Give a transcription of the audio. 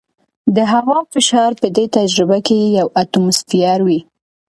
د هوا فشار په دې تجربه کې یو اټموسفیر وي.